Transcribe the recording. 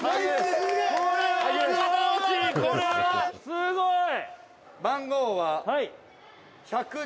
「すごい！」